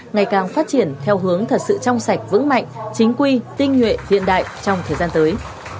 ngày càng phát triển theo hướng thật sự trong sạch vững mạnh chính quy tinh nguyện hiện đại trong thời gian tới